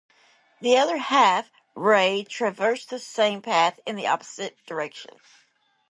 The other half-ray traversed the same path in the opposite direction.